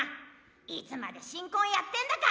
いつまで新婚やってんだか！